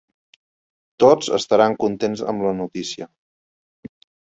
Tots estaran contents amb la notícia.